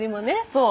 そう。